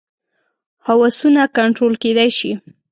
هوسونه کنټرول کېدای شي.